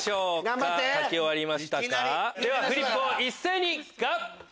ではフリップを一斉に合体！